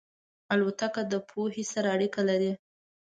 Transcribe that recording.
الوتکه د پوهې سره اړیکه لري.